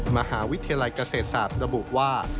มหาวิทยาลัยเกษตรศาสตร์ระบุว่า